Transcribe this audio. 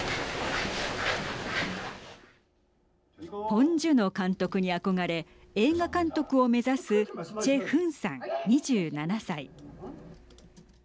ポン・ジュノ監督に憧れ映画監督を目指すチェ・フンさん、２７歳。